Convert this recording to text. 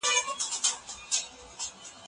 ناسم تاريخ انسان د خپلو ګټو ضد کاروي.